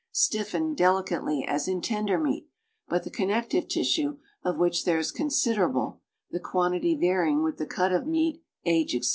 slilfeiied) delicately as in tender meat, but the connective tissue, of which there is considerable (the quantity varying with the cut of meat, age, etc.)